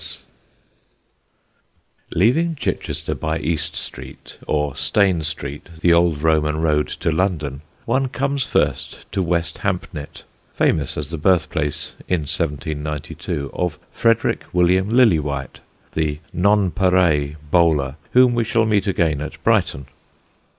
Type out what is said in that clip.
_] [Sidenote: BOXGROVE] Leaving Chichester by East Street (or Stane Street, the old Roman road to London) one comes first to West Hampnett, famous as the birthplace, in 1792, of Frederick William Lillywhite, the "Nonpareil" bowler, whom we shall meet again at Brighton.